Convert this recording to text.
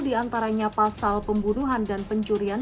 di antaranya pasal pembunuhan dan pencurian